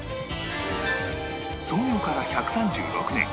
創業から１３６年